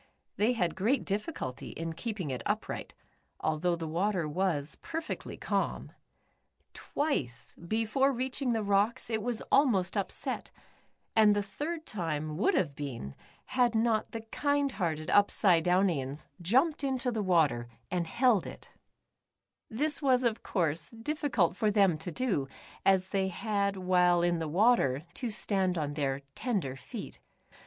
They had great difficulty in keeping it upright, although the water was perfectly calm. Twice before reaching the rocks, it was almost upset, and the third time would have been, had not the kind hearted Up sidedownians jumped into the water, and held it. The Upsidedownians. 159 This was, of course, difficult for them to do, as they had, while in the water, to stand on their tender feet.